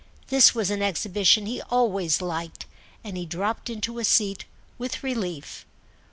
This was an exhibition he always liked, and he dropped into a seat with relief.